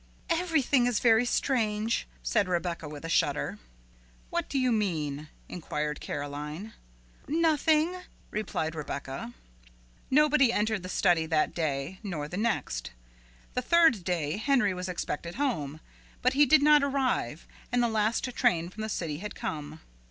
"Everything is very strange," said Rebecca with a shudder. "What do you mean?" inquired Caroline. "Nothing," replied Rebecca. Nobody entered the study that day, nor the next. The third day Henry was expected home, but he did not arrive and the last train from the city had come.